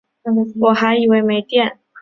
我还以为没电